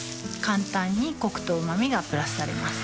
簡単にコクとうま味がプラスされます